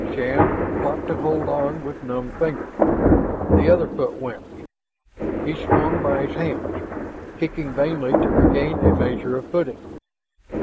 Shann fought to hold on with numbed fingers. The other foot went. He swung by his hands, kicking vainly to regain a measure of footing.